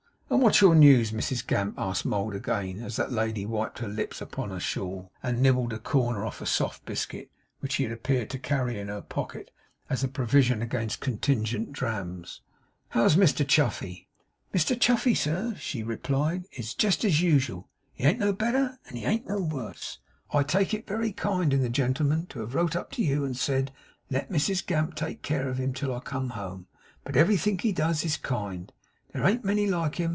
'And what's your news, Mrs Gamp?' asked Mould again, as that lady wiped her lips upon her shawl, and nibbled a corner off a soft biscuit, which she appeared to carry in her pocket as a provision against contingent drams. 'How's Mr Chuffey?' 'Mr Chuffey, sir,' she replied, 'is jest as usual; he an't no better and he an't no worse. I take it very kind in the gentleman to have wrote up to you and said, "let Mrs Gamp take care of him till I come home;" but ev'rythink he does is kind. There an't a many like him.